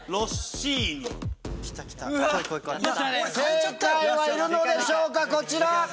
正解いるのでしょうか⁉こちら。